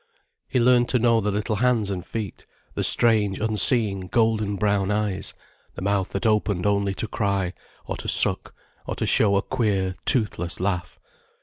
He learned to know the little hands and feet, the strange, unseeing, golden brown eyes, the mouth that opened only to cry, or to suck, or to show a queer, toothless laugh.